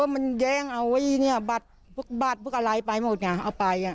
มันแย้งเอาไว้เนี่ยบัตรพวกอะไรไปหมดอะเอาไป